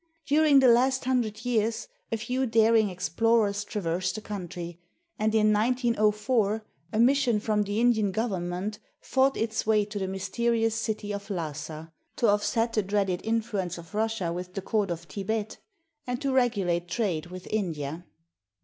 During the last hundred years a few daring ex plorers traversed the country, and in 1904 a mission from the Indian government fought its way to the mysterious city of Lhasa, to offset the dreaded influence of Russia with the court of Thibet, and to regulate trade with India.